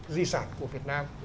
di sản của việt nam